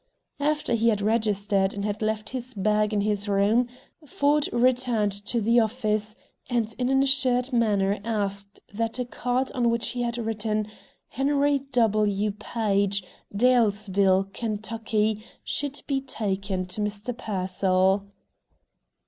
After he had registered and had left his bag in his room, Ford returned to the office, and in an assured manner asked that a card on which he had written "Henry W. Page, Dalesville, Kentucky," should be taken to Mr. Pearsall.